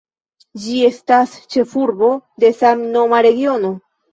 Ĝi estas ĉefurbo de samnoma regiono.